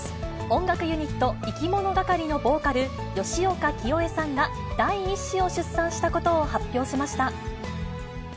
音楽ユニット、いきものがかりのボーカル、吉岡聖恵さんが第１子を出産したことを発表しました。